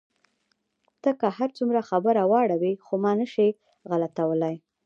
ته که هر څومره خبره واړوې، خو ما نه شې غلتولای.